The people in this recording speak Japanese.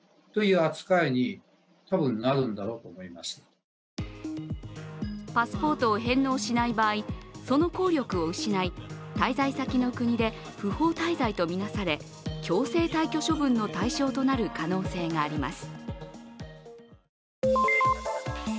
若狭弁護士はパスポートを返納しない場合その効力を失い滞在先の国で不法滞在とみなされ強制退去処分の対象となる可能性があります。